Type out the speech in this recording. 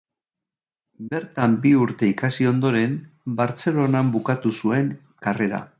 Bertan bi urte ikasi ondoren Bartzelonan bukatu zuen karrera.